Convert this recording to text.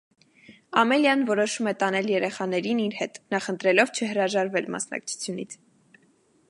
Ամելիան որոշում է տանել երեխաներին իր հետ՝ նախընտրելով չհրաժարվել մասնակցությունից։